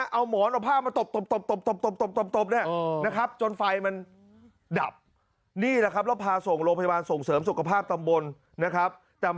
เอาหมอนเอาผ้ามาตบ